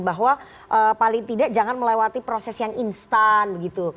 bahwa paling tidak jangan melewati proses yang instan begitu